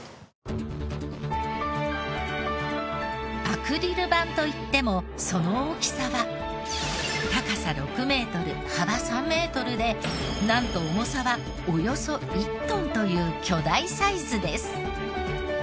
アクリル板といってもその大きさは高さ６メートル幅３メートルでなんと重さはおよそ１トンという巨大サイズです。